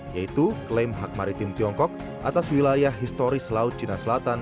yaitu klaim hak maritim tiongkok atas wilayah historis laut cina selatan